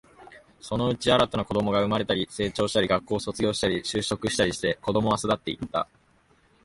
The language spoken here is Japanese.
そのうち、新たな子供が生まれたり、成長したり、学校を卒業したり、就職したりして、子供は巣立っていった